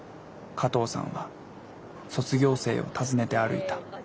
加藤さんは卒業生をたずねて歩いた。